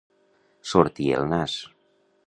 Sortir el nas.